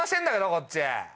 こっち。